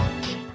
ini kecil nih